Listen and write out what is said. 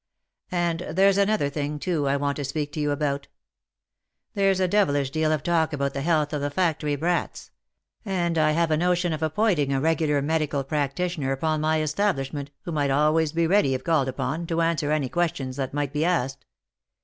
And there's another thing, too, I want to speak to you about. There's a devilish deal of talk about the health of the factory brats ; and I have a notion of ap pointing a regular medical practitioner upon my establishment, who might always be ready, if called upon, to answer any questions that might be asked.